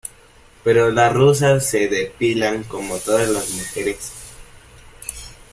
pero las rusas se depilan como todas las mujeres.